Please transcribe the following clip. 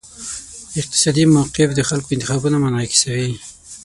اقتصادي موقف د خلکو انتخابونه منعکسوي.